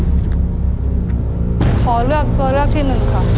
ขอเลือกตัวเลือกที่หนึ่งค่ะ